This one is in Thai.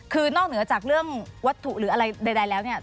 คือนอกเหนือจากเรื่องวัตถุหรืออะไรใดแล้วเนี่ย